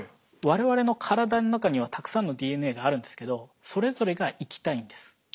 われわれの体の中にはたくさんのＤＮＡがあるんですけどそれぞれが生きたいんです。